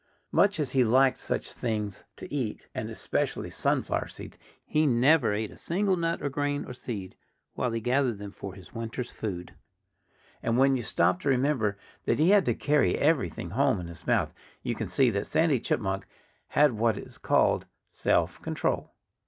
Much as he liked such things to eat and especially sunflower seeds he never ate a single nut or grain or seed while he gathered them for his winter's food. And when you stop to remember that he had to carry everything home in his mouth, you can see that Sandy Chipmunk had what is called self control.